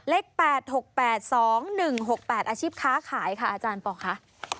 เลข๘๖๘๒๑๖๘อาชีพค้าขายค่ะอาจารย์ปอคะ